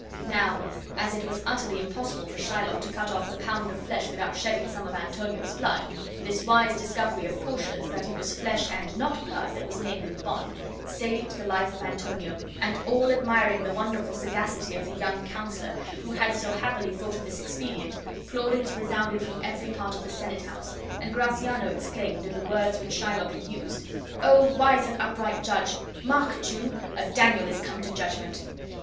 Now as it was utterly impossible for Shylock to cut off the pound of flesh without shedding some of Antonio's blood, this wise discovery of Portia's, that it was flesh and not blood that was named in the bond, saved the life of Antonio; and all admiring the wonderful sagacity of the young counselor who had so happily thought of this expedient, plaudits resounded from every part of the Senate House; and Gratiano exclaimed, in the words which Shylock had used: "O wise and upright judge! Mark, Jew, a Daniel is come to judgment!"